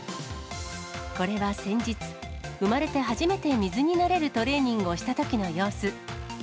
これは先日、生まれて初めて水に慣れるトレーニングをしたときの様子。